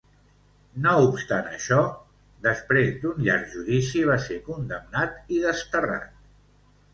No obstant això, després d'un llarg judici va ser condemnat i desterrat.